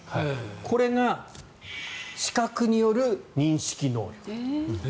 これが、視覚による認識能力と。